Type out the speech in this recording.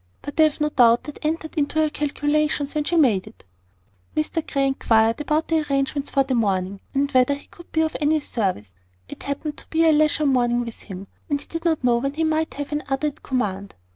But I have no doubt that entered into her calculations when she had it made." Mr Grey inquired about the arrangements for the morning, and whether he could be of any service. It happened to be a leisure morning with him, and he did not know when he might have another at command.